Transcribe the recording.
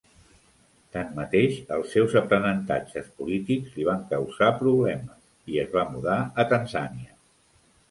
Tanmateix, els seus aprenentatges polítics li van causar problemes i es va mudar a Tanzània.